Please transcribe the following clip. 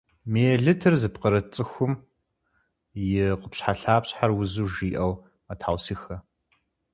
Миелитыр зыпкърыт цӏыкӏум и къупщхьэлъапщхьэр узу жиӏэу мэтхьэусыхэ.